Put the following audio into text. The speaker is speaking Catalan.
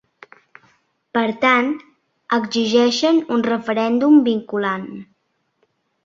Per tant, exigeixen un referèndum vinculant.